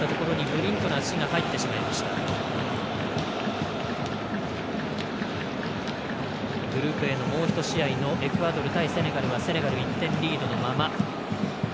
グループＡのもう１試合のエクアドル対セネガルはセネガル１点リードのまま。